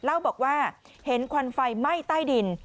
เล่าบอกว่าเห็นควันไฟไหม้ใต้ดิน